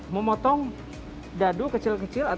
memotong dadu kecil kecil atau semuanya